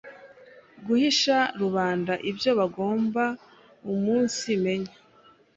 guhisha rubanda ibyo bagomba umunsimenya.